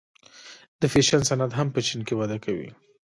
د فیشن صنعت هم په چین کې وده کوي.